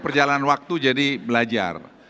perjalanan waktu jadi belajar